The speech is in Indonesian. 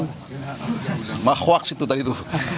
mas makhuaks itu tadi tuh